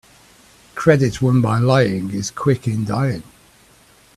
Credit won by lying is quick in dying.